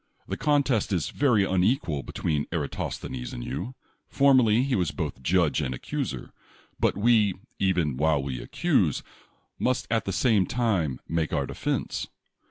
The contest is very unequal between Eratos thenes and you. Formerly he was both judge and accuser ; but we, even while we accuse, must at the same time make our defense.